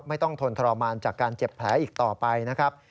ทนทรมานจากการเจ็บแผลอีกต่อไปนะครับ